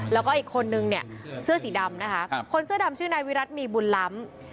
แล้วก็อีกคนนึงเนี่ยเสื้อสีดำนะคะคนเสื้อดำชื่อนายวิรัติมีบุญล้ำ